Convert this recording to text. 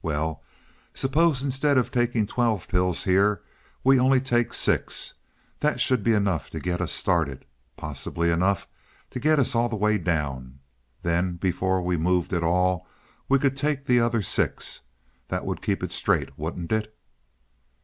Well, suppose instead of taking twelve pills here, we only take six. That should be enough to get us started possibly enough to get us all the way down. Then before we moved at all we could take the other six. That would keep it straight, wouldn't it?"